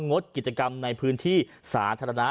งดกิจกรรมในพื้นที่สาธารณะ